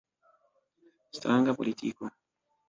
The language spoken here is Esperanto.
Stranga politiko.